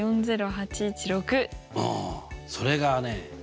あそれがね